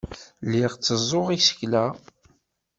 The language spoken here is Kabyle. Lliɣ tteẓẓuɣ isekla.